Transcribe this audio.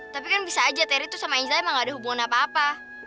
tapi kan bisa aja terry tuh sama angel emang gak ada hubungan apa apa